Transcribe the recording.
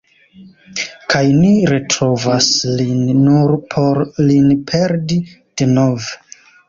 Kaj ni retrovas lin nur por lin perdi denove.